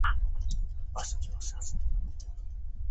马尼斯蒂是一个位于美国阿拉巴马州门罗县的非建制地区。